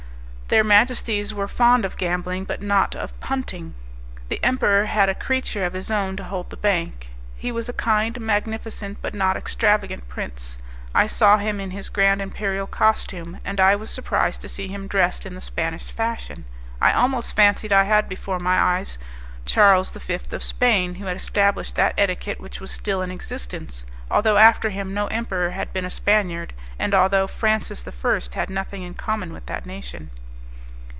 Their majesties were fond of gambling but not of punting. The emperor had a creature of his own to hold the bank. He was a kind, magnificent, but not extravagant, prince. I saw him in his grand imperial costume, and I was surprised to see him dressed in the Spanish fashion. I almost fancied I had before my eyes Charles V. of Spain, who had established that etiquette which was still in existence, although after him no emperor had been a Spaniard, and although Francis I. had nothing in common with that nation.